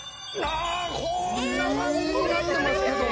こんな感じになってますけども。